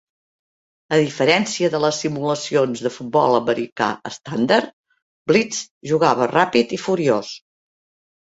A diferència del les simulacions de futbol americà estàndard, "Blitz" jugava ràpid i furiós.